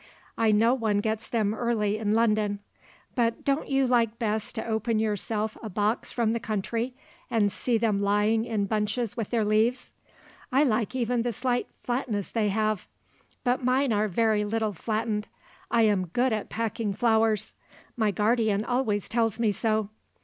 I know one gets them early in London; but don't you like best to open yourself a box from the country and see them lying in bunches with their leaves. I like even the slight flatness they have; but mine are very little flattened; I am good at packing flowers! My guardian always tells me so!